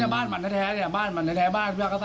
บ้านมันแท้บ้านมันแท้บ้าน